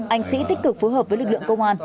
anh sĩ tích cực phối hợp với lực lượng công an